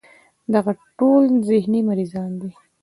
دغه ټول ذهني مريضان دي